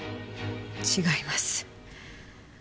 違います。